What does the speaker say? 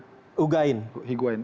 saya kira kalau di sektor depan ini